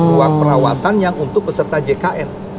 ruang perawatan yang untuk peserta jkn